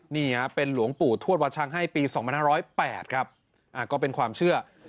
นี่ฮะเป็นหลวงปู่ทวดวัดชังให้ปี๒๕๐๘ครับก็เป็นความเชื่อ